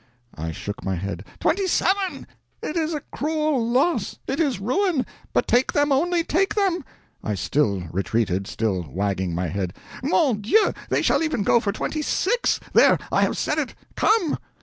I shook my head. "Twenty seven! It is a cruel loss, it is ruin but take them, only take them." I still retreated, still wagging my head. "MON DIEU, they shall even go for twenty six! There, I have said it. Come!"